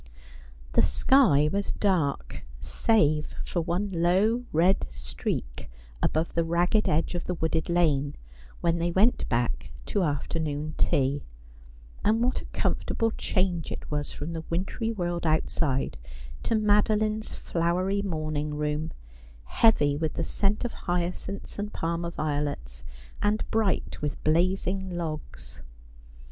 The sky was dark, save for one low red streak above the ragged edge of the wooded lane, when they went back to afternoon tea : and what a comfortable change it was from the wintry world outside to Madeline's flowery morning room, heavy with the scent of hyacinths and Parma violets, and bright with blazing logs